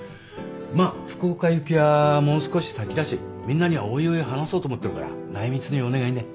まあ福岡行きはもう少し先だしみんなにはおいおい話そうと思ってるから内密にお願いね。